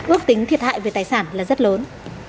ước tính thiệt hại về tài sản là rất lớn